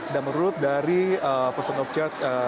dan menurut dari person in charge